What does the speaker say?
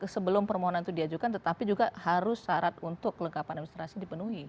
sebelum permohonan itu diajukan tetapi juga harus syarat untuk kelengkapan administrasi dipenuhi